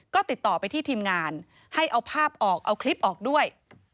ก็ติดต่อไปที่ทีมงานให้เอาภาพออกเอาคลิปออกด้วย